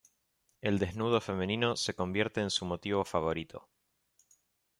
El desnudo femenino se convierte en su motivo favorito.